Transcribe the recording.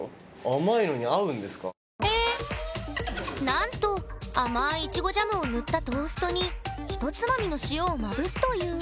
なんと甘いイチゴジャムを塗ったトーストにひとつまみの塩をまぶすという。